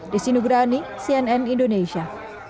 di sinugrani cnn indonesia